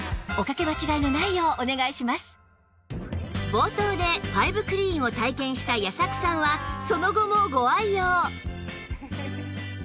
冒頭でファイブクリーンを体験した矢作さんはその後もご愛用